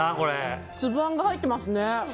粒あんが入っていますね。